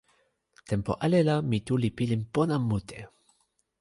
tenpo ale la mi tu li pilin pona mute.